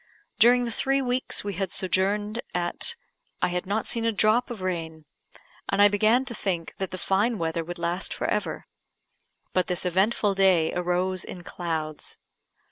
During the three weeks we had sojourned at , I had not seen a drop of rain, and I began to think that the fine weather would last for ever; but this eventful day arose in clouds.